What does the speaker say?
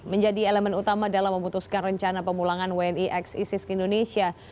menjadi elemen utama dalam memutuskan rencana pemulangan wni x isis ke indonesia